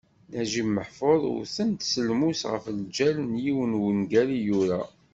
Naǧib Meḥfuḍ wten-t s lmus ɣef lǧal n yiwen n wungal i yura.